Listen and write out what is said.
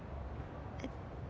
えっ？